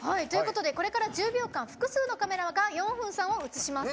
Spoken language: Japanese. これから１０秒間複数のカメラがヨンフンさんを映します。